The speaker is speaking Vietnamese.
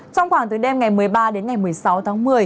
trong khoảng từ đêm ngày một mươi ba đến ngày một mươi sáu tháng một mươi